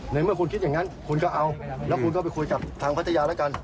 ในเมื่อคุณคิดอย่างนั้นคุณก็เอาแล้วคุณก็ไปคุยกับทางพัทยาแล้วกัน